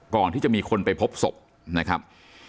ก่อนที่จะมีคนไปพบศพนะครับ